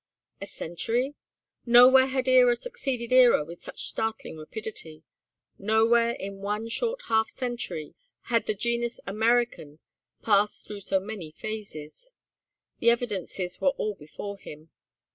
A century? Nowhere had era succeeded era with such startling rapidity, nowhere in one short half century had the genus American passed through so many phases. The evidences were all before him.